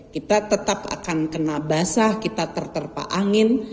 kita tetap akan kena basah kita terterpa angin